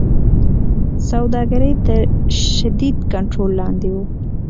سوداګري تر شدید کنټرول لاندې وه.